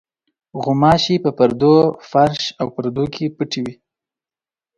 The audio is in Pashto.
غوماشې په پردو، فرش او پردو کې پټې وي.